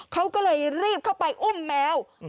เขาก็เลยรีบเข้าไปอุ้มแมว